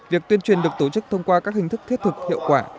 việc tuyên truyền được tổ chức thông qua các hình thức thiết thực hiệu quả